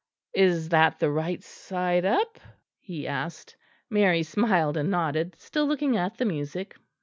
"Is that the right side up?" he asked. Mary smiled and nodded, still looking at the music.